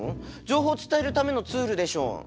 情報を伝えるためのツールでしょう？